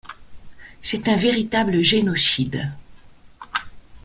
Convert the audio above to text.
C'est un véritable génocide.